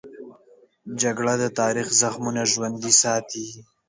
جګړه د تاریخ زخمونه ژوندي ساتي